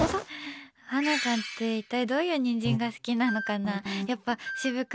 ハナさんって一体どういうニンジンが好きなのかな。